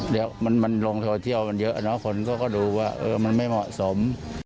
เดี๋ยวมันลงโซเชียลมันเยอะเนอะคนก็ดูว่ามันไม่เหมาะสม